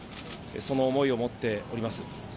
その思いを持っております。